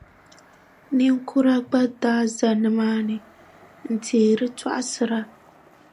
Niŋkura gba daa za nimaani n-teeri tɔɣisiri.